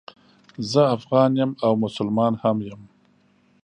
زه افغان یم او مسلمان هم یم